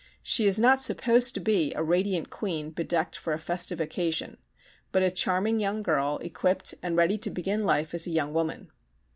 She is not supposed to be a radiant queen bedecked for a festive occasion, but a charming young girl equipped and ready to begin life as a young woman.